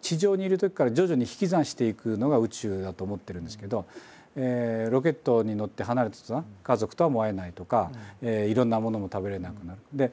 地上にいるときから徐々に引き算していくのが宇宙だと思ってるんですけどロケットに乗って離れたとたん家族とはもう会えないとかいろんなものも食べれなくなる。